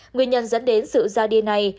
nguyên nhân dẫn đến sự ra đi này